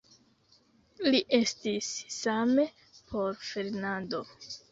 Ne estis same por Fernando.